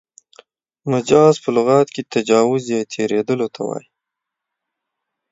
مجاز په لغت کښي تجاوز یا تېرېدلو ته وايي.